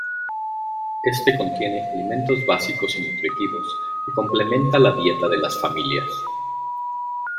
Este contiene alimentos básicos y nutritivos que complementa la dieta de las familias.